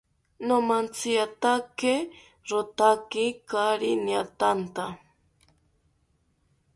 Nomantziatake rotaki kaari niatanta